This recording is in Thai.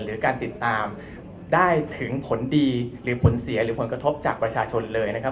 หรือการติดตามได้ถึงผลดีหรือผลเสียหรือผลกระทบจากประชาชนเลยนะครับ